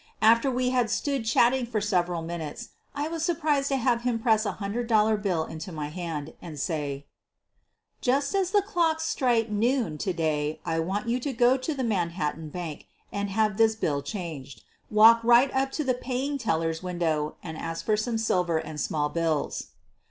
After we had stood chatting for several minutes I was surprised to have him press a hundred dollar bill into my hand and say: ■ 1 Just as the clocks strike noon to day I want you to go into the Manhattan Bank and have this bill changed. Walk right up to the paying teller's win dow and ask for some silver and small bills.